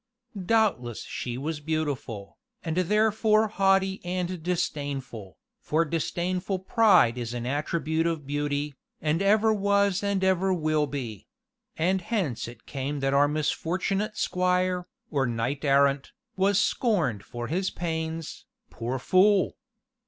Doubtless she was beautiful, and therefore haughty and disdainful, for disdainful pride is an attribute of beauty, and ever was and ever will be and hence it came that our misfortunate squire, or knight errant, was scorned for his pains, poor fool!